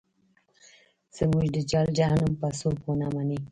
زموږ د جهل جهنم به څوک ونه مني.